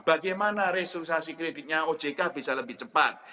bagaimana restruksasi kreditnya ojk bisa lebih cepat